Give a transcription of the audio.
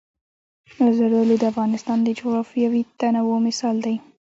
زردالو د افغانستان د جغرافیوي تنوع مثال دی.